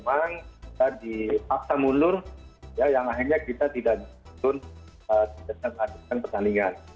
memang kita dipaksa mundur yang akhirnya kita tidak dituntun di desa desa pertandingan